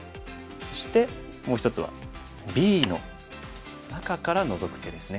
そしてもう一つはＢの中からノゾく手ですね。